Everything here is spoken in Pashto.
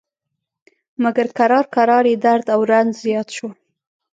مګر کرار کرار یې درد او رنځ زیات شو.